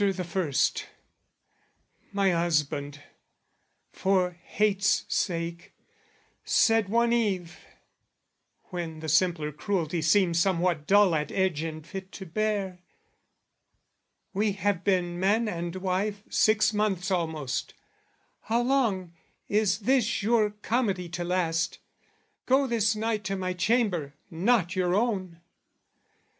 After the first, my husband, for hate's sake, Said one eve, when the simpler cruelty Seemed somewhat dull at edge and fit to bear, "We have been man and wife six months almost: "How long is this your comedy to last? "Go this night to my chamber, not your own!"